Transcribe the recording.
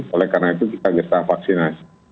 oleh karena itu kita bisa vaksinasi